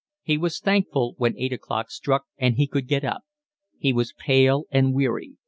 He was thankful when eight o'clock struck and he could get up. He was pale and weary.